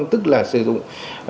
tức là sử dụng